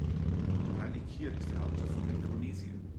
Palikir ist die Hauptstadt von Mikronesien.